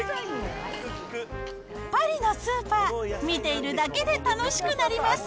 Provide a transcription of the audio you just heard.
パリのスーパー、見ているだけで楽しくなります。